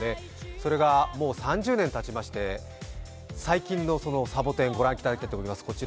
それがもう３０年たちまして、最近のサボテン、ご覧いただきたいと思います。